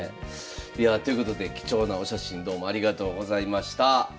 ということで貴重なお写真どうもありがとうございました。